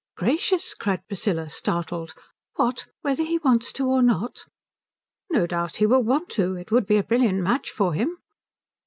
"Gracious!" cried Priscilla, startled, "what, whether he wants to or not?" "No doubt he will want to. It would be a brilliant match for him."